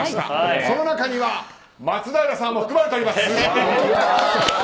その中には松平さんも含まれております！